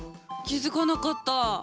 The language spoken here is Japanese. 気付かなかった。